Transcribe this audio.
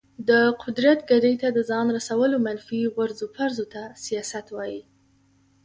د قدرت ګدۍ ته د ځان رسولو منفي غورځو پرځو ته سیاست وایي.